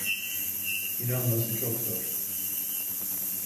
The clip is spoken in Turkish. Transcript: İnanması çok zor.